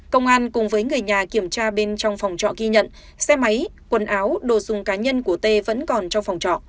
công an cùng với người nhà kiểm tra bên trong phòng trọ ghi nhận xe máy quần áo đồ dùng cá nhân của t vẫn còn trong phòng trọ